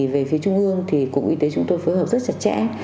về phía trung ương thì cục y tế chúng tôi phối hợp rất chặt chẽ